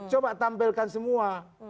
coba tampilkan semua